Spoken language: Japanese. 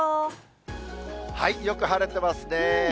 よく晴れてますね。